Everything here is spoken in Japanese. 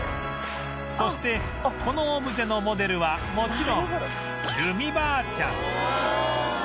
そしてこのオブジェのモデルはもちろんるみばあちゃん